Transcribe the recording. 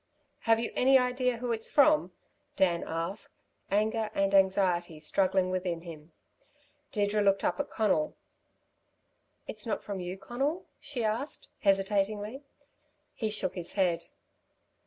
'" "Have you any idea who it's from?" Dan asked, anger and anxiety struggling within him. Deirdre looked up at Conal. "It's not from you, Conal?" she asked, hesitatingly. He shook his head.